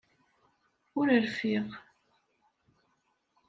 Ur rfiɣ!